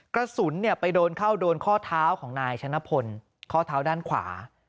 กระสุนไปโดนเข้าโดนข้อเท้าของนายชนะพลข้อเท้าด้านขวา